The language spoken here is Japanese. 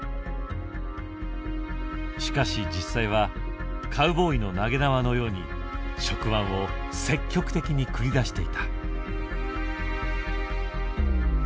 しかし実際はカウボーイの投げ縄のように触腕を積極的に繰り出していた。